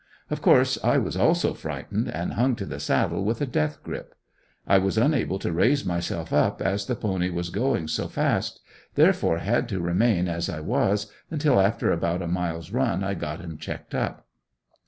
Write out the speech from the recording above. Of course I was also frightened and hung to the saddle with a death grip. I was unable to raise myself up as the pony was going so fast, therefore had to remain as I was, until after about a mile's run I got him checked up.